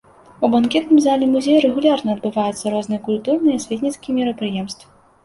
У банкетным зале музея рэгулярна адбываюцца розныя культурныя і асветніцкія мерапрыемствы.